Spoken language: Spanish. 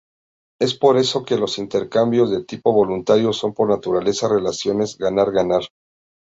Es por eso que los intercambios de tipo voluntario son por naturaleza relaciones ganar-ganar.